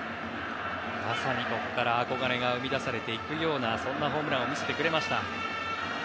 まさにここから憧れが生み出されていくようなそんなホームランを見せてくれました。